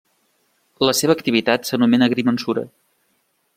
La seva activitat s'anomena agrimensura.